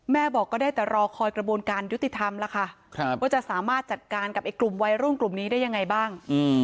บอกก็ได้แต่รอคอยกระบวนการยุติธรรมแล้วค่ะว่าจะสามารถจัดการกับไอ้กลุ่มวัยรุ่นกลุ่มนี้ได้ยังไงบ้าง